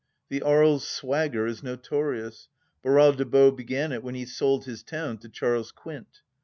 The Aries swagger is notorious — Barral des Baux began it when he sold his town to Charles Quint.